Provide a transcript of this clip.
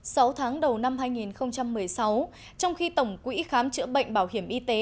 sáu tháng đầu năm hai nghìn một mươi sáu trong khi tổng quỹ khám chữa bệnh bảo hiểm y tế